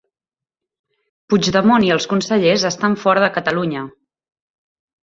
Puigdemont i els consellers estan fora de Catalunya